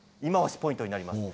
ポイントになります。